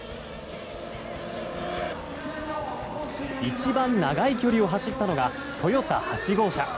一番長い距離を走ったのがトヨタ８号車。